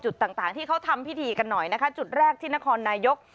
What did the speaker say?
ต่างที่เขาทำพิธีกันหน่อยนะคะจุดแรกที่นครนายก